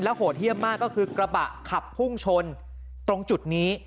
โหดเยี่ยมมากก็คือกระบะขับพุ่งชนตรงจุดนี้